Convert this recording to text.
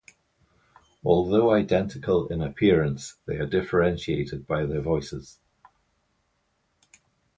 Although identical in appearance, they are differentiated by their voices.